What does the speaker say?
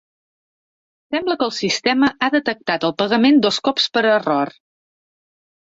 Sembla que el sistema ha detectat el pagament dos cops per error.